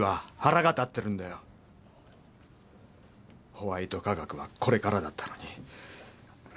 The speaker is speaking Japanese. ホワイト化学はこれからだったのに。